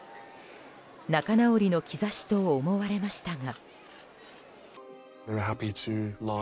仲直りの兆しと思われましたが。